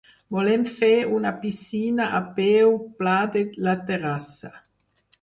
Volem fer una piscina a peu pla de la terrassa.